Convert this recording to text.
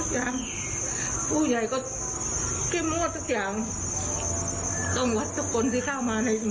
ทุกคนนมาในหมู่บ้านก็อดเพราะจึงก็ไม่ต้องหยุดเข้ามาที่